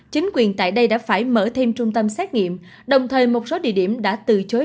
chính quyền tại đây đã phải mở thêm trung tâm xét nghiệm đồng thời một số địa điểm đã từ chối